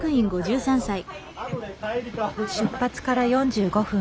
出発から４５分。